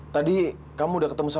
kamu cemcu dari keluar